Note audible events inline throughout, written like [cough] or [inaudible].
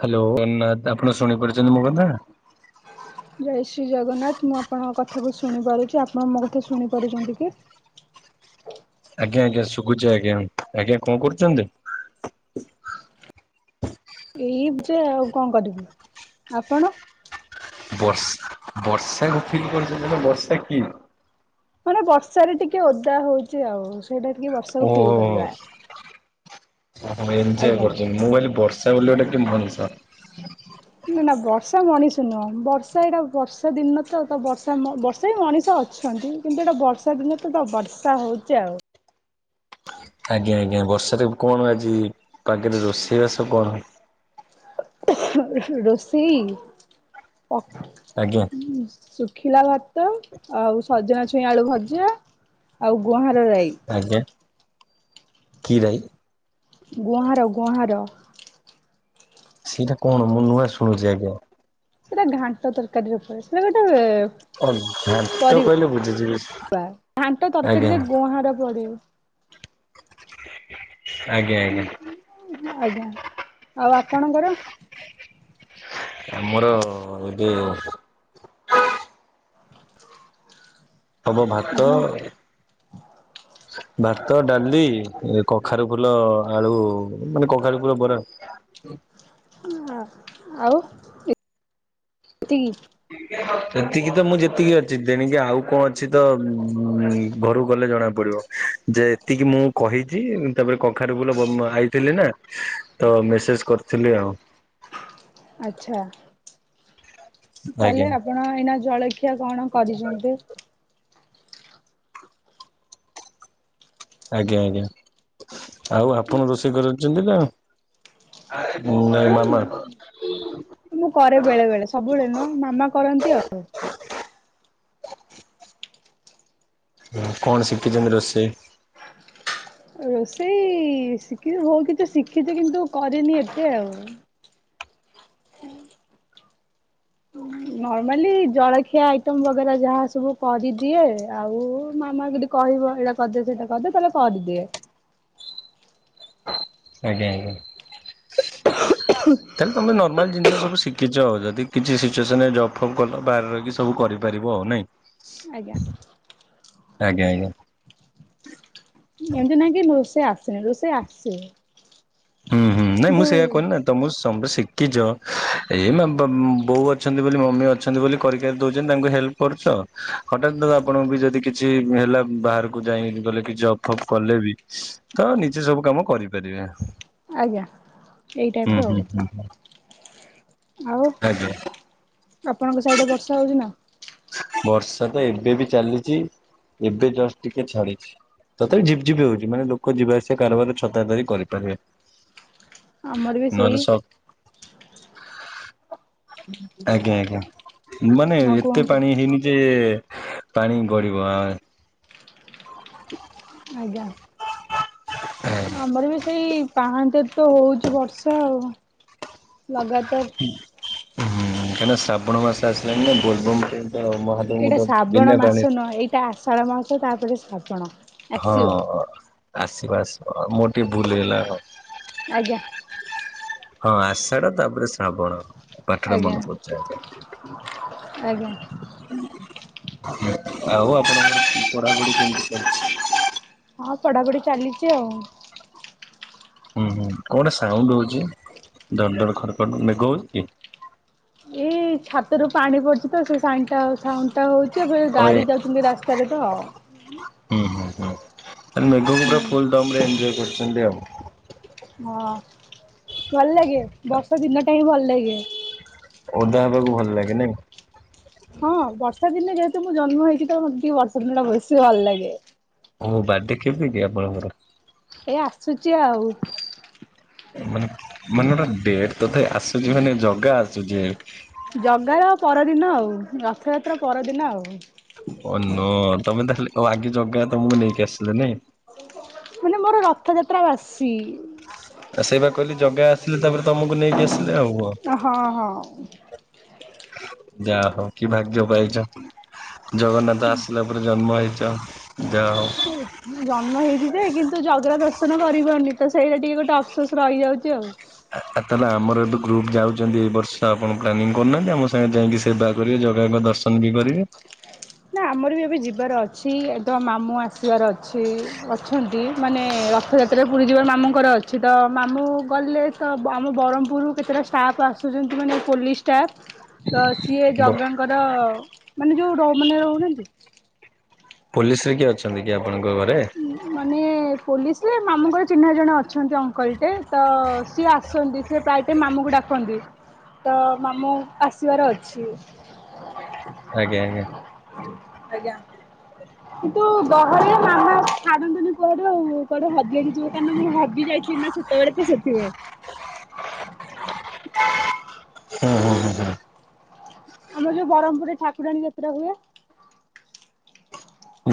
Hello [unintelligible] ଆପଣ ଶୁଣିପାରୁଚନ୍ତି ମୋ କଥା? ଜୟ ଶ୍ରୀ ଜଗନ୍ନାଥ ମୁଁ ଆପଣଙ୍କ କଥାକୁ ଶୁଣି ପାରୁଚି, ଆପଣ ମୋ କଥା ଶୁଣି ପାରୁଚନ୍ତି କି? ଆଜ୍ଞା ଆଜ୍ଞା ଶୁକୁଚି ଆଜ୍ଞା ଆଜ୍ଞା କଣ କରୁଚନ୍ତି। ଏଇ ଯା ଆଉ କଣ କରିବୁ ଆପଣ। ବର୍ଷ୍ ବର୍ଷାକୁ ଫିଲ୍ କରୁଚନ୍ତି [unintelligible] ବର୍ଷା କି ମାନେ ବର୍ଷାରେ ଟିକେ ଓଦା ହୋଉଚି ଆଉ ସେଇଟା ଟିକେ ବର୍ଷାକୁ ଫିଲ୍ କରିବା। ଓହୋ ଏଞ୍ଜୟ ଆଜ୍ଞା କରୁଚନ୍ତି ମୁଁ କଇଲି ବର୍ଷା ବୋଲି ଗୋଟେ କିଏ ମଣିଷ। ନା ନା ବର୍ଷା ମଣିଷ ନୁହଁ ବର୍ଷା ଏଇଟା ବର୍ଷା ଦିନ ତ ତ ବର୍ଷା ମ ବର୍ଷା ବି ମଣିଷ ଅ ଅଛନ୍ତି କିନ୍ତୁ ଏଟା ବର୍ଷା ଦିନ ତ ଏଟା ବର୍ଷା ହୋଉଚି ଆଉ। ଆଜ୍ଞା ଆଜ୍ଞା ବର୍ଷାରେ ବ୍ କଣ ଆଜି ପାଗରେ ରୋଷେଇ ବାସ କଣ ହ ହ ହ ରୋଷେଇ ପ ଆଜ୍ଞା ଉଁ ଶୁଖିଲା ଭାତ, ଆଉ ସଜନା ଛୁଇଁ ଆଳୁ ଭଜା, ଆଉ ଗୁଁହାର ରାଇ। ଆଜ୍ଞା କି ରାଇ? ଗୁଆହାର ଗୁହାଁର ସେଇଟା କଣ ମୁଁ ନୂଆଁ ଶୁଣୁଛି ଆଜ୍ଞା? ସେଇଟା ଘାଣ୍ଟ ତରକାରୀ ରେ ପରେ ସେଟା ଗୋଟେ ଓ ଘାଣ୍ଟ ପରିବା କହିଲେ ବୁଝିଯିବି। ଘାଣ୍ଟ ଆଜ୍ଞା ତରକାରୀରେ ଗୁଁହାର ପଡ଼ି। ଆଜ୍ଞା ଆଜ୍ଞା। ଆଜ୍ଞା ଆଉ ଆପଣଙ୍କର ଆମର ଏବେ ହବ ଭାତ ଆପଣ ଭାତ ଡାଲି କଖାରୁ ଫୁଲ ଆଳୁ ମାନେ କଖାରୁ ଫୁଲ ବରା ହଁ ଆଉ ଏ ତିକି ଏତିକି ତ ମୁଁ ଯେତିକି ଅଛି ତେଣିକି ଆଉ କଣ ଅଛି ତ ଉ ଘରକୁ ଗଲେ ଜଣା ପଡ଼ି। ଯେ ଏତିକି ମୁଁ କହିଛି ତାପରେ କଖାରୁ ଫୁଲ ଆଣିଥିଲି ନା ତ ମେସେଜ୍ କରିଥିଲି ଆଉ ଅଚ୍ଛା ଆଜ୍ଞା ତାହାଲେ ଆପ ପଣ ଏଇନା ଜଳଖିଆ କଣ କରିଚନ୍ତି? ଆଜ୍ଞା ଆଜ୍ଞା ଆଉ ଆପଣ ରୋଷେଇ କରୁଛନ୍ତି ନା? ହଁ ନାଇଁ ମୁଁ ମାମା? ମୁଁ କରେ ବେଳେ ବେଳେ ସବୁବେଳେ ନୁହଁ ମାମା କରନ୍ତି ଆଉ। ହ କଣ ଶିଖିଛନ୍ତି ରୋଷେଇ? ରୋଷେଇ ଶିଖଛି ହଉ କିଛି ଶିଖିଛି କିନ୍ତୁ କରିନି ଏତେ ଆଉ ହୁଁ। ନର୍ମାଲି ଜଳଖିଆ ଆଇଟମ୍ ବଗେରା ଯାହା ସବୁ କରିଦିଏ ଆଉ ମାମା କୁ କହିବ ଏଇଟା କରିଦେ ସେଇଟା କରିଦେ ତାହେଲେ କରିଦିଏ। ଆଜ୍ଞା ଆଜ୍ଞା। [inaudible] ତାହେଲେ ତମେ ନର୍ମାଲ ଜିନିଷ ସବୁ ଶିଖିଛ ଯଦ କିଛି ସିଚୁଏସନରେ ଜବ୍ ଫବ୍ କଲ ବାହାରେ ରହିକ ସବୁ କରିବ ପାରିବ ଆଉ ନାଇଁ? ଆଜ୍ଞା। ଆଜ୍ଞା ଆଜ୍ଞା। ଏମିତି ନାଇଁ କି ରୋଷେଇ ଆସିନି ରୋଷେଇ ଆସିବ। ହୁଁ ହୁ ନାଇଁ ମୁଁ ସେୟା କହିଲିନା। ତମ ସମ ଶିଖିଛ ଏଇ ମା ବାମ୍ ବୋଉ ଅଛନ୍ତି ବୋଲି ମମି ଅଛନ୍ତି ବୋଲି କରିକି ଦଉଛନ୍ତି ତାଙ୍କୁ ହେଲ୍ପ କରୁଛ ହଠାତ୍ ଆପଣଙ୍କୁ ବି ଯଦି କିଛି ହେଲା ବାହାରକୁ ଯାଇି ଗଲେ କିଛି ଜବ ଫବ କଲେ ବି ତମେ ନିଜେ ସବୁ କାମ କରିପାରିବେ। ଆଜ୍ଞା। ଏଇ ହୁଁ ଟାଇପର ଆଉ ହୁଁ ଆଉ ଆଜ୍ଞା। ଆପଣଙ୍କ ସାଇଡ ରେ ବର୍ଷା ହଉଛି ନା? ବର୍ଷା ତ ଏବେ ବି ଚାଲିଚି ଏବେ ଜଷ୍ଟ ଟିକେ ଛାଡ଼ିଛି। ତଥାପି ଝିପ୍ ଝିପ୍ ହଉଛି ମାନେ ଲୋକ ଯିବା ଆସିବା କାରବାର ଛତା ଧରି କରିପାରିବେ। ଆମର ବି ସେଇ ନହେଲେ ସ ଆଜ୍ଞା ଆଜ୍ଞା ମାନେ ହଁ କୁହନ୍ତୁ ପାଣି ହେଇନି ଯେ ପାଣି ଗଡ଼ିବ ଆ ଆଜ୍ଞା ଆ ଆମର ବି ସେଇ ପାହାନ୍ତାତ ହଉଛି ବର୍ଷା ଆଉ ଲଗାତାର ହୁଁ କାଇଁକିନା ଶ୍ରାବଣ ମାସ ଆସିଲାଣି ନା ବୋଲବମ ଟାଇମ୍ ରେ ମହା ଏଇଟା ଶ୍ରାବଣ ମାସ ନୁଅ ଏଇଟା ଆଷାଢ଼ ମାସ ତାପରେ ଶ୍ରାବଣ। ହଁ ଆସିବ ଆସିବ ଆସିବ ମୋର ଟିକେ ଭୁଲ ହେଇଗଲା। ଆଜ୍ଞା। ହଁ ଆଷାଡ ତାପରେ ଶ୍ରାବଣ। ପାଠ ଟା ମନେ ଆଜ୍ଞା ପଡ଼ିଯାଏ ତ। ଆଜ୍ଞା ଆଉ ଆପଣଙ୍କ ର ପଢା ପଢ଼ିଶକେମତି ଚାଲିଚି? ହଁ ପଡ଼ାପଡି ଚାଲିଚି ଆଉ। ହୁଁ, ହୁଁ କଣ ଗୋଟେ ସାଉଣ୍ଡ ହଉଛି? ଧଡ ଧଡ ଖଡ ଖଡ ମେଘ ହଉଛି କି? ଏଇ ଛାତରୁ ପାଣି ପଡିଚି ତ ସେଇ ପାଣି ଟା ସାଉଣ୍ଡ ଟା ହଉଛି। ଏବେ ଗାଡି ଯାଉଛନ୍ତି ରାସ୍ତାରେ ତ। ହଁ, ହଁ, ହଁ ତାନେ ମେଘକୁ ପୁରା ହୁଁ ଫୁଲ୍ ଦମ୍ ରେ ଏନଞ୍ଜୟ କରୁଛନ୍ତି ଆଉ। ହଁ ଭଲ ଲାଗେ, ବର୍ଷା ଦିନଟା ହିଁ ଭଲ ଲାଗେ। ଓଦା ହେବାକୁ ଭଲ ଲାଗେ ନାଇ? ହଁ ବର୍ଷା ଦିନେ ଯେହେତୁ ମୁଁ ଜନ୍ମ ହେଇଛି ତ ମୋତେ ଟିକେ ବର୍ଷା ଦିନ ଟା ବେଶୀ ଭଲ ଲାଗେ। ଓ ବାଡେ କେବେ କି ଆପଣଙ୍କର? ଏଇ ଆସୁଚି ଆଉ। ମାନେ ମାନେ ଗୋଟା ଡେଟ୍ ତ ଥାଏ। ଆସୁଚି ମାନେ ଜଗା ଆସୁଚି। ଜଗାର ପରଦିନ ଆଉ ରଥଯାତ୍ରା ପରଦିନ ଆଉ। ଓ ନୋ ତୋମେ ତାହେଲେ ଓ ଆଗେ ଜଗା ତୋମକୁ ନେଇକି ଆସିଲେ ନାଇଁ। ମାନେ ମୋର ରଥଯାତ୍ରା ବାସି। ଆଉ ସେଇ ବା କହିଲି ଜଗା ଆସିଲେ ତାପରେ ତୋମକୁ ନେଇକି ଆସିଲେ ଆଉ କଣ। ହଁ ହଁ। ଯା ହଉ କି ଭାଗ୍ୟ ପାଇଛ, ଜଗନ୍ନାଥ ଆସିଲା ପରେ ଜନ୍ମ ହେଇଛ ଯା ହଉ। ଏ ମୁଁ ଜନ୍ମ ହେଇଛି ଯେ କିନ୍ତୁ ଜଗା ଦର୍ଶନ କରିପାରୁନି ତ ସେଇଟା ଟିକେ ଗୋଟେ ଅପସୋସ୍ ରହିଯାଉଚି ଆଉ। ଆ [unintelligible] ଆମର ଏଠୁ ଗ୍ରୁପ୍ ଯାଉଚନ୍ତି ଏଇ ବର୍ଷ ଆପଣ ପ୍ଲାନିଂ କରୁନାହାନ୍ତି ଆମ ସାଙ୍ଗେ ଯାଇକି ସେବା କରିବେ, ଜଗାଙ୍କ ଦର୍ଶ ଶନ ବି କରିବେ। ନା ଆମର ବି ଏବେ ଯିବାର ଅଛି, ଏବେ ମାମୁଁ ଆସିବାର ଅଛି, ଅଛନ୍ତି, ମାନେ ରଥଯା ତ୍ରା ପୁରୀ ଯିବା ମାମୁଁଙ୍କର ଅଛି ତ ମାମୁଁ ଗଲେ ତ ବ-ଆମ ବରହ୍ମପୁରରୁ କେତେଟା ଷ୍ଟାଫ୍ ଆସୁ ସୁଚନ୍ତି ମାନେ ପୋଲିସ୍ ଷ୍ଟାପ୍ [inaudible] ତ ସିଏ ବ ଜଗା ଙ୍କ ର ମାନେ ଯୋଉ ଡ-ମାନେ ରହୁନାହାନ୍ତି। ପୋଲିସ୍ ରେ କିଏ ଅଛନ୍ତି କି ଆପଣଙ୍କ ଘରେ? ଉଁ, ମାନେ ପୋଲିସ୍ ରେ ମାମୁଁଙ୍କର ଚିହ୍ନା ଜଣେ ଅଛନ୍ତି ଅଙ୍କଲ୍ ଟେ ତ ସିଏ ଆସନ୍ତି। ସେ ପ୍ରାୟତ ମାମୁଁକୁ ଡାକନ୍ତି, ତ ମାମୁଁ ଆସିବାର ଅଛି। ଆଜ୍ଞା ଆଜ୍ଞା [inaudible] ଆଜ୍ଞା, କିନ୍ତୁ ଗହଳି ମାମା ଛାଡ଼ନ୍ତିନି କୁଆଡେ ଆଉ, କୁଆଡେ ହଜି ହଜି ଯିବ କାହିଁକି ନା ମୁଁ ହଜି ଯାଇଥିଲି ନା ଛୋଟବେଳେ ତ ସେଥିପାଇଁ। [inaudible] ହଁ, ହଁ, ହଁ, ହଁ। ଆମର ଯୋଉ ବରହ୍ମପୁରରେ ଠାକୁରାଣୀ ଯାତ୍ରା ହୁଏ।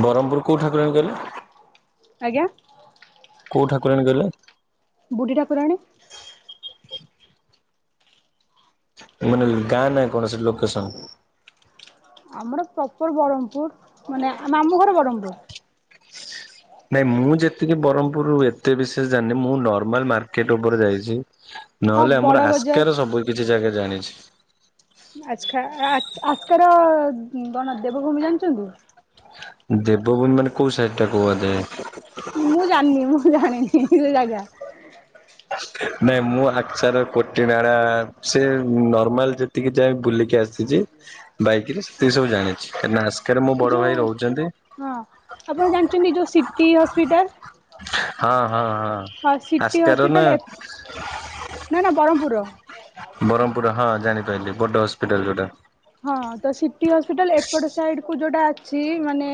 ବରହ୍ମପୁର କୋଉ ଠାକୁରାଣୀ କଇଲେ? ଆଜ୍ଞା। କୋଉ ଠାକୁରାଣୀ କଇଲେ? ବୁ଼ଢୀ ଠାକୁରାଣୀ। ମାନେ ଗାଁ ନାଁ କଣ ସେ ଲୋକେସନ୍? ଆମର ପ୍ରପର୍ ବରହ୍ମପୁର ମାନେ ଆ, ମାମୁଁ ଘର ବରହ୍ମପୁର। ନାଇଁ ମୁଁ ଯେତିକି ବରହ୍ମପୁରରୁୁ ଏତେ ବିଶେଷ ଜାଣିନି। ମୁଁ ନର୍ମାଲ୍ ମାର୍କେଟ୍ ଉପରେ ଯାଇଛି। ହଁ ନହେଲେ ବଡ ଆମର ବଜାର ଆସ୍କା ର ସବୁ କିଛି ଜାଗା ଜାଣିଛି। ଆସଖା ଆ, ଆସ୍କାର ଉଁ, ଜଣ ଦେବଭୂମି ଜାଣିଛନ୍ତି? ଦେବଭୂମି ମାନେ କୋଉ ସାଇଟ୍ ଟା କୁହାଯାଏ। ମୁଁ ଜାଣିନି, ମୁଁ ଜାଣିନି ସେ ଜାଗା। ନାଇଁ ମୁଁ ଆକ୍ଛାର କୋଟି ନାଡ଼ା ସେ ନର୍ମାଲ୍ ଯେ ତିକି ଯାଏ ବୁଲିକି ଆସ ସିଚି, ବାଇକ୍ ରେ ସେ ସବୁ ଜାଣିଛି। କାହିଁକି ନା ଆସ୍କାରେ ମୋ ଏ ବଡ ଯୋଉ ଭାଇ ରହୁଚନ୍ତି। ହଁ ଆପଣ ଜାଣିଛନ୍ତି ଯୋଉ ସିଟି ହସ୍ପିଟାଲ। ହଁ ହଁ ହଁ। ହ ସିଟି ଆସ୍କାର ନା ହସ୍ପିଟାଲ ଏପ ନା ନା ବରହ୍ମପୁର ର। ବରହ୍ମପୁର ହଁ ଜାଣିପାରିଲି ବଡ ହସ୍ପିଟାଲ ଯୋଉଟା। ହଁ ତ ସିଟି ହସ୍ପିଟାଲ ଏପଟ ସାଇଡ କୁ ଯୋଉଟା ଅଛି। ମାନେ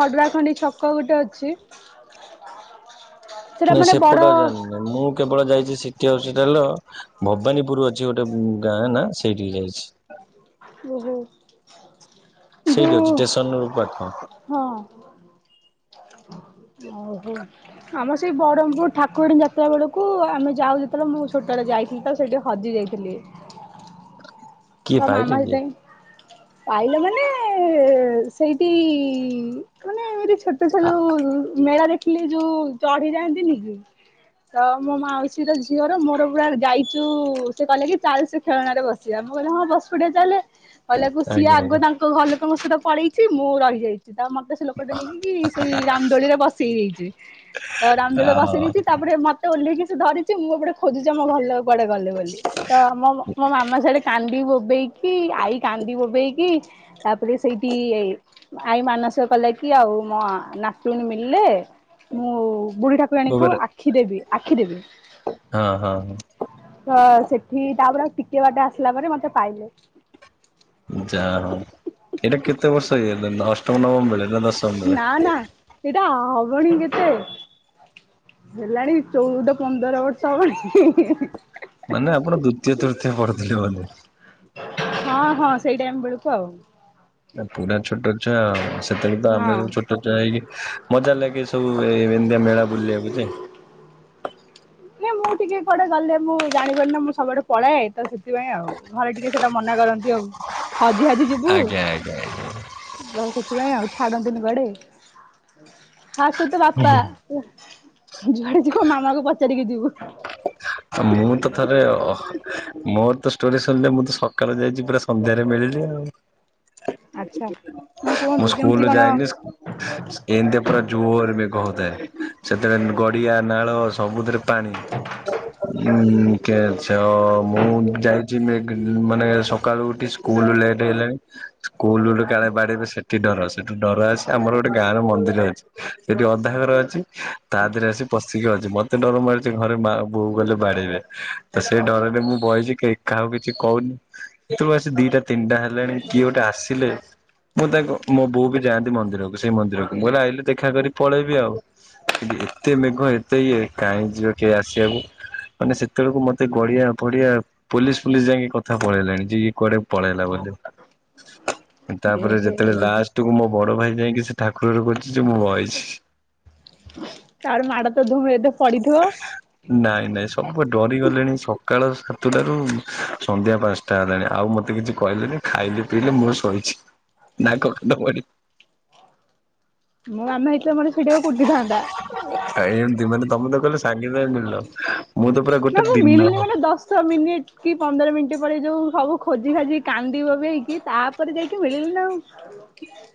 ହଡରା ଖଣ୍ଡି ଛ କ ଗୋଟେ ଅଛି। [inaudible] ସେଟା ନାଇଁ ମାନେ ସେପଟେ ବଡ ଏରିଆ ନୁହଁ, ମୁଁ କେବଳ ଯାଇଛି ସିଟି ହସ୍ପିଟାଲର ଭବାନୀପୁର ଅଛି ଗୋଟେ ଗାଁ ନା ସେଇଠିକି ଯାଇଛି। ଓ ହୋ। ସେଇଠି ଅଛି ଷ୍ଟେସନରୁ ପାଖ। ହଁ। ଓହୋ ଆମ ସେଇ ବରହ୍ମପୁର ଠାକୁରାଣୀ ଯାତ୍ରା ବେଳକୁ ଆମେ ଯାଉ। ଯେତେବେଳେ ମୁଁ ଛୋଟ ବେଳେ ଯାଇଥିଲି ତ ସେଇଠି ହଜି ଯାଇଥିଲି। କିଏ ତ ପାଇଲେ ମାମା କିଏ ସେଥିପାଇଁ ପାଇଲ ମାନେ ସେଇଠି ମାନେ ରି ଛୋଟ ଛୁଆ ଯୋଉ ମେଳା ଦେଖିଲେ ଯୋଉ ଚଢି ଯାଆନ୍ତିନି କି? ତ ମୋ ମାଉସୀ ର ଝିଅର ମୋର ପୁରା ଯାଇଛୁ। ସେ କହିଲା କି ଚାଲ ସେ ଖେଳଣାରେ ବସିବା। ମୁଁ କହିଲି ହଁ ବସି ପଡିଆ ଚାଲେ, କହିଲାକୁ ସିଏ ଆଜ୍ଞା ଆଗ ଆଜ୍ଞା ତାଙ୍କ ଘର ଲୋକଙ୍କ ସହିତ ପଳେଇଛି, ମୁଁ ରହିଯାଇଛି ତା ମତେ ସେ ଲୋକଟେ ନେଇକି ସେଇ ରାମଦୋଳିରେ ବସେଇ ଦେଇଛି। ତ ରାମଦୋଳି ବସେଇ ହଁ ଦେଇଛି ତାପରେ ମତେ ଓହ୍ଲେଇକି ସେ ଧରିଛି। ମୁଁ ଏପଟେ ଖୋଜୁଛି ଆମ ଘର ଲୋକ କୁଆଡେ ଗଲେ। ବୋଲି ତ ମୋ ମାମା ସିଆଡ଼େ କାନ୍ଦି ବୋବେଇକି ଆଈ କାନ୍ଦି ବୋବେଇକି ତାପରେ ସେଇଠି ଆଈ ମାନସିକ କଲା କି ଆଉ ମୋ ନାତୁଣୀ ମିଳିଲେ, ମୁଁ ବୁଢୀଠା ଠାକୁରାଣୀଙ୍କୁ ହଁ ଆଖି ଦେବି ଆଖି ଦେବି। ହଁ ତ ସେଠି ତାପରେ ଆଉ ଟିକେ ବାଟେ ଆସିଲା ପରେ ମତେ ପାଇଲେ। ଯାହଉ ଏଇଟା କେତେ ବର୍ଷ ହେଇଗଲା ଅଷ୍ଟମ ନବମ ବେଳେ ନା ଦଶମ ବେଳେ। ସେଇଟା ହବଣି କେତେ ହେଲାଣି ଚୋଉଦ ପନ୍ଦର ବର୍ଷ ହବଣି। ମାନେ ଆପଣ ଦ୍ୱିତୀୟ ତୃତୀୟ ପଢ଼ୁଥିଲେ ବୋଧେ। ହଁ ହଁ ସେଇ ଟାଇମ ବେଳକୁ ଆଉ। ଆ ପୁରା ଛୋଟ ଛୁଆ ଆଉ ସେତେବେଳେ ତ ଆମେ ହଁ। ଛୋ ଛୋଟ ହେଇକି ମଜା ଲାଗେ ସବୁ ଏମିତିଆ ମେଳା ବୁଲିବାକୁ ଯେ। ଏ ମୁଁ ଟିକେ କୁଆଡେ ଗଲେ ମୁଁ ଜାଣିପାରେନା ମୁଁ ସବୁଆଡ଼େ ପଳାଏ ତ ସେଥିପାଇଁ ଆଉ। ଘରେ ଟିକେ ସେଟା ମନେ କରନ୍ତି ଆଉ। ହଜି ହାଜି ଜି ଆଜ୍ଞା ଆଜ୍ଞା ଆଜ୍ଞା। ତ ସେଥିପାଇଁ ଆଉ ଛାଡନ୍ତିନି କୁଆଡେ଼ ଖାସ୍ ସହିତ ବାପା। ହେଲା ଯୁଆଡେ ଯିବ ମାମା କୁ ପଚାରିକି ଯିବୁ। ଆ ମୁଁ ତ ଥରେ ମୋର ତ ଷ୍ଟୋରି ଶୁଣିଲେ, ମୁଁ ତ ସକାଳୁ ଯାଇଛି ପୁରା ସନ୍ଧ୍ୟାରେ ମିଳିଲି ଆଉ। ଆଚ୍ଛା ହଁ କୁହନ୍ତୁ ମୁଁ କେମିତି ସ୍କୁଲ କଣ ଯାଏନି ସ୍କୁ ଏନ୍ତିଆ ପୁରା ଜୋରେ ମେଘ ହଉଥାଏ। ସେତେବେଳେ ଗଡ଼ିଆ ନାଳ ସବୁଥିରେ ପାଣି। ଉଁ କେ ଛ ମୁଁ ଯାଇଛି ମେଗ୍ ମାନେ ସକାଳୁ ଉଠି ସ୍କୁ କୁଲୁ ଲେଟ୍ ହେଇଗଲାଣି। ସ୍କୁଲ ରୁ କାଳେ ବାଡେଇବେ ସେଠି ଡର ସେଠୁ ଡର ଆସି ଆମର ଗୋଟେ ଗାଁ ର ମନ୍ଦିର ଅଛି। ସେଠି ଅଧା ଘର ଅଛି ତା ଦେହରେ ଆସି ପଶିକି ଅଛି ମତେ ଡର ମାରୁଛି ଘରେ ମା ବୋଉ ଗଲେ ବାଡେଇବେ ତ ସେ ଡରରେ ମୁଁ ବଇଚି କେହି କାହାକୁ କିଛି କହୁନି। ତୁ ଆସି ଦିଟା ତିନିଟା ହେଲାଣି କିଏ ଗୋଟେ ଆସିଲେ। ମୁଁ ତାକୁ ମୋ ବୋଉ ବି ଯାଆନ୍ତି ମନ୍ଦିରକୁ ସେଇ ମନ୍ଦିରକୁ ମୁଁ ଆଇଲେ ଦେଖାକରି ପଳେଇବି ଆଉ। ଏତେ ମେଘ ଏତେ ଇଏ କାହିଁ ଯିବ କେହି ଆସିବାକୁ। ମାନେ ସେତେବେଳକୁ ମତେ ଗଡିଆ ଫଡିଆ ପୋଲିସ ଫୁଲିସ୍ ଯାଇଁକି କଥା ପଳେଇଲାଣୀ ଜିଏ କୁଆଡେ ପଳେଇଲା ବୋଧେ। ଏ ତାପରେ ହେ ଯେତେବେଳେ ଲାଷ୍ଟକୁୁ ମୋ ବଡ ଭାଇ ଯାଇଙ୍କି ସେ ଠାକୁରଘରେ ଖୋଜିଚି ମୁଁ ବଇଚି। ତା ହେଲେ ମାଡ଼ ତ ଧୁମ ହେଇଥିବ। [inaudible] ନାଇଁ ନାଇଁ ସବୁ ପା ଡରି ଗଲେଣି ସକାଳ ସାତଟାରୁ ସନ୍ଧ୍ୟା ପାଆଁସ୍ ଟା। ନାଇଁ ନାଇଁ ଆଉ ମତେ କିଛି କହିଲେନି ଖାଇଲି ପିଇଲି ମୁଁ ଶୋଇଛି [unintelligible] ମୋ ମାମା ହେଇଥିଲେ ମାତେ ସେଇଡେ କୁଟି ଥାନ୍ତା। ଏମତି ମାନେ ତମେ ତ କହିଲ ସାଙ୍ଗେ ସାଙ୍ଗେ ମିଳିଲ ମୁଁ ତ ପୁରା ନା ଗୋଟେ ମୁଁ ଦିନ ମିଳିଲି ମାନେ ଦସ୍ ଦଶ ମିନିଟ୍ କି ପନ୍ଦର ମିନିଟ୍ ପରେ ଯୋଉ ସବୁ ଖୋଜି ଖାଜି କି କାନ୍ଦି ବୋବେଇକି ତା ପରେ ଯାଇକି ମିଳିଲି ନାଆଉ। [unintelligible]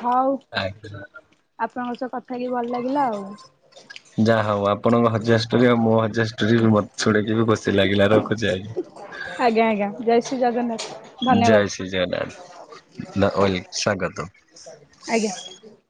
ହଉ। ଆଜ୍ଞା ‌ ଆପଣଙ୍କ ସହ କଥା ହେଇକି ଭଲ ଲାଗିଲା ଆଉ। ଯାହା ହଉ ଆପଣଙ୍କ ହଜିବା ଷ୍ଟୋରି ଆଉ ମୋ ହଜିବା ଷ୍ଟୋ। ଷ୍ଟୋରି ମୋତେ ଶୁଣିଲି ବି ଖୁସି ଲାଗିଲା ରଖୁଛି ଆଜ୍ଞା। ଆଜ୍ଞା ଆଜ୍ଞା ଜୟଶ୍ରୀ ଜଗନ୍ନାଥ। ଧନ୍ୟବାଦ ଜୟ ଶ୍ରୀଜଗନ୍ନାଥ ନା ଅଏଲ ସ୍ଵାଗତମ୍। ଆଜ୍ଞା।